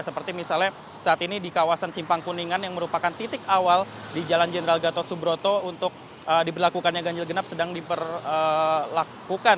seperti misalnya saat ini di kawasan simpang kuningan yang merupakan titik awal di jalan jenderal gatot subroto untuk diberlakukannya ganjil genap sedang diperlakukan